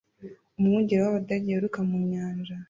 Umwungeri w’Abadage wiruka mu nyanja